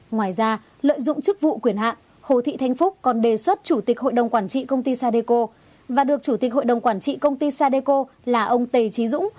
ngoài ra lợi dụng chức vụ quyền hạn hồ thị thanh phúc còn đề xuất chủ tịch hội đồng quản trị công ty sadeco và được chủ tịch hội đồng quản trị công ty sadeco là ông tầy trí dũng